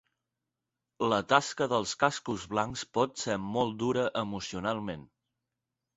La tasca dels Cascos Blancs pot ser molt dura emocionalment.